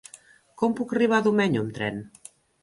Com puc arribar a Domenyo amb tren?